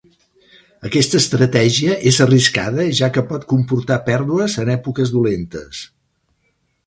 Aquesta estratègia és arriscada ja que pot comportar pèrdues en èpoques dolentes.